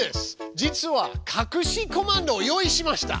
実はかくしコマンドを用意しました。